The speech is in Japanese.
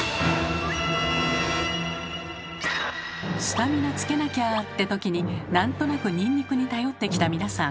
スタミナつけなきゃってときに何となくニンニクに頼ってきた皆さん。